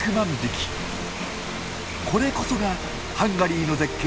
これこそがハンガリーの絶景